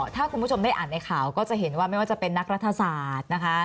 ถ้าคุณผู้ชมได้อ่านในข่าวก็จะเห็นว่าไม่ว่าจะเป็นนักรัฐศาสตร์นะคะ